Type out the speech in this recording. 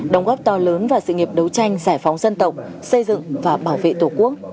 đồng góp to lớn vào sự nghiệp đấu tranh giải phóng dân tộc xây dựng và bảo vệ tổ quốc